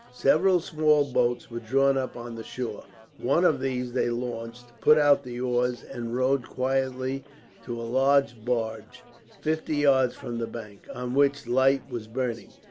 Several small boats were drawn up on the shore. One of these they launched, put out the oars, and rowed quietly to a large barge, fifty yards from the bank, on which a light was burning.